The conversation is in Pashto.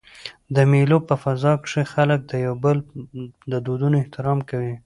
د مېلو په فضا کښي خلک د یو بل د دودونو احترام کوي.